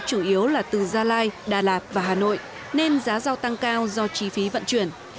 chủ yếu là từ gia lai đà lạt và hà nội nên giá rau tăng cao do chi phí vận chuyển